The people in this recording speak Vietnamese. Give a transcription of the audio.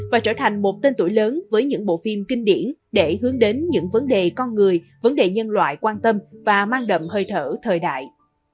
và trở thành một tên tuổi lớn với những bộ phim kinh điển để hướng đến những vấn đề con người vấn đề nhân loại quan tâm và mang đậm hơi thở thời đại